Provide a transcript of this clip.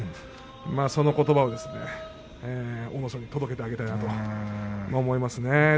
そのことばを阿武咲に届けてあげたいなと思います。